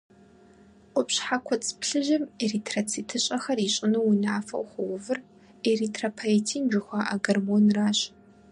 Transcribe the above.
Къупщхьэ куцӏ плъыжьым эритроцитыщӏэхэр ищӏыну унафэу хуэувыр эритропоетин жыхуаӏэ гормонращ.